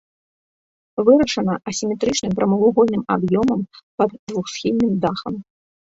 Вырашана асіметрычным прамавугольным аб'ёмам пад двухсхільным дахам.